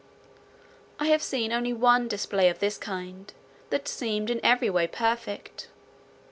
I have seen only one display of this kind that seemed in every way perfect.